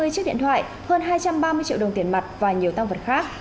hai mươi chiếc điện thoại hơn hai trăm ba mươi triệu đồng tiền mặt và nhiều tăng vật khác